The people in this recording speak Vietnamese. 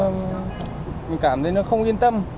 mình cảm thấy nó không yên tâm